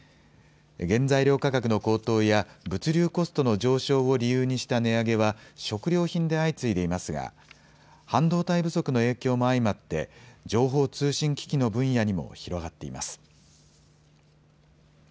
原材料価格の高騰や物流コストの上昇を理由にした値上げは食料品で相次いでいますが半導体不足の影響も相まって情報通信機器の分野にも広がっています。